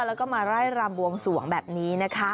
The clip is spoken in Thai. แล้วก็มาไล่รำบวงสวงแบบนี้นะคะ